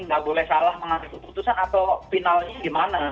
nggak boleh salah mengatasi keputusan atau finalnya di mana